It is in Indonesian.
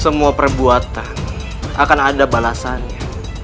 semua perbuatan akan ada balasannya